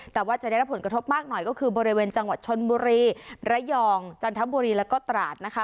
แต่ว่าจะได้รับผลกระทบมากหน่อยก็คือบริเวณจังหวัดชนบุรีระยองจันทบุรีแล้วก็ตราดนะคะ